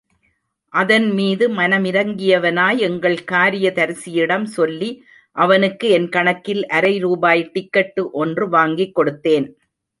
அதன்மீது மனமிரங்கியவனாய், எங்கள் காரியதரிசியிடம் சொல்லி, அவனுக்கு என் கணக்கில் அரை ரூபாய் டிக்கட்டு ஒன்று வாங்கிக் கொடுத்தேன்.